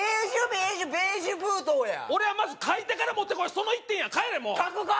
ベージュベージュ封筒や俺はまず書いてから持って来いその一点や帰れもう書くか！